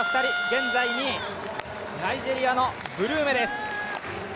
現在２位、ナイジェリアのブルーメです。